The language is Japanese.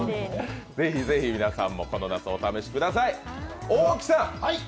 ぜひ、皆さんもこの夏、お試しください。